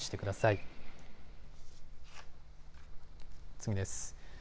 次です。